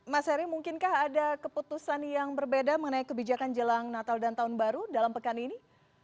mas heri mungkinkah ada keputusan yang berbeda mengenai kebijakan jelang natal dan tahun baru dalam pekan ini